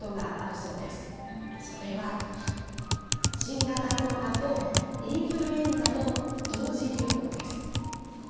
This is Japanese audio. それは新型コロナとインフルエンザの同時流行です。